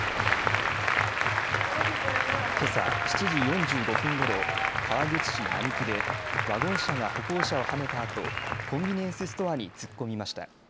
けさ７時４５分ごろ、川口市並木でワゴン車が歩行者をはねたあとコンビニエンスストアに突っ込みました。